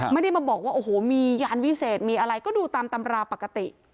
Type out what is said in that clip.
ไม่ได้มาบอกว่าโอ้โหมียานวิเศษมีอะไรก็ดูตามตำราปกติ